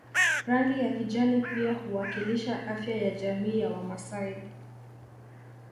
Rangi ya kijani pia huwakilisha afya ya jamii ya Wamasai